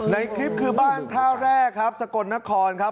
ในคลิปคือบ้านท่าแรกครับสกลนครครับ